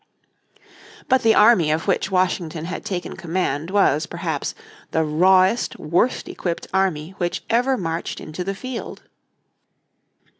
But the army of which Washington had taken command was, perhaps, the rawest, worst equipped army which ever marched into the field.